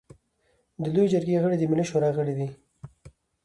د لويې جرګې غړي د ملي شورا غړي دي.